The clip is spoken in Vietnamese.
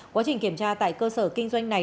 quá trình kiểm tra tại cơ sở kinh doanh này